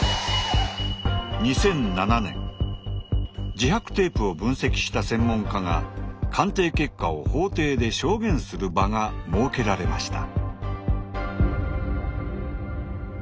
自白テープを分析した専門家が鑑定結果を法廷で証言する場が設けられました。